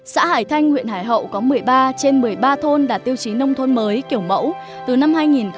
xã hải thanh huyện hải hậu có một mươi ba trên một mươi ba thôn đạt tiêu chí nông thôn mới kiểu mẫu từ năm hai nghìn một mươi